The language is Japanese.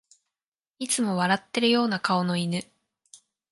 いつも笑ってるような顔の犬